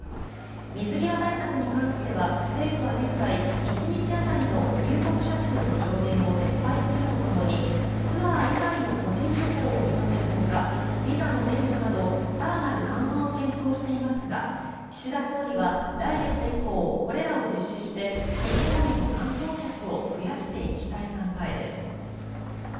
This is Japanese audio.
水際対策に関しては政府は現在１日当たりの入国者数の上限を撤廃するとともにツアー以外の個人旅行を認めるほかビザの免除など更なる緩和を検討していますが岸田総理は来月以降これらを実施して日本への観光客を増やしていきたい考えです。